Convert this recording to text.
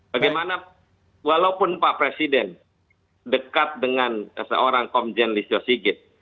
bagaimana walaupun pak presiden dekat dengan seorang komjen listio sigit